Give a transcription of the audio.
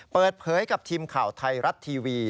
เปิดเผยกับทีมข่าวไทยรัฐทีวี